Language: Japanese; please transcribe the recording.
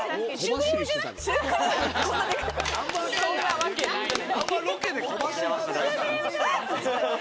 そんなわけないのに。